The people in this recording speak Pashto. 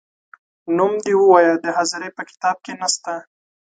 نوم دي ووایه د حاضرۍ په کتاب کې نه سته ،